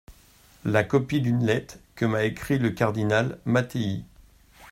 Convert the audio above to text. la copie d'une lettre que m'a écrite le cardinal Mattei.